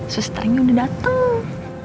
susternya udah dateng